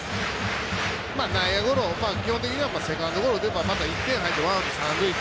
内野ゴロ、基本的にはセカンドゴロを打てばまた１点入ってもワンアウト、三塁。